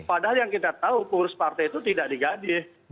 padahal yang kita tahu pengurus partai itu tidak digadi